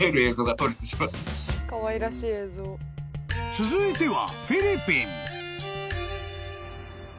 ［続いては］